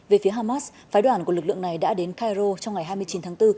về phía hamas phái đoàn của lực lượng này đã đến cairo trong ngày hai mươi chín tháng bốn